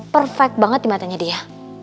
perfect banget di matanya dia